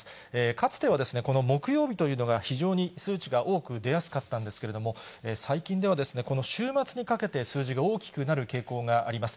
かつてはこの木曜日というのが、非常に数値が多く出やすかったんですけれども、最近ではこの週末にかけて、数字が大きくなる傾向があります。